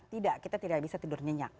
tidak kita tidak bisa tidur nyenyak